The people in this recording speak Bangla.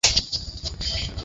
সে ছামূদ সম্প্রদায়ের লোক।